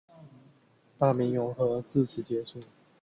大明永和至此结束。